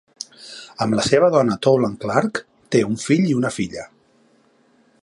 Amb la seva dona Tolan Clark, té un fill i una filla.